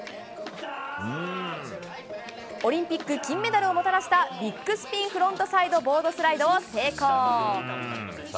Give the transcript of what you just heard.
オリンピック金メダルをもたらしたビッグスピンフロントサイドボードスライドを成功。